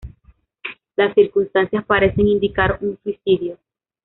Las circunstancias parecen indicar un suicidio.